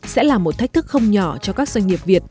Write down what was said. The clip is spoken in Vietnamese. sẽ là một thách thức không nhỏ cho các doanh nghiệp việt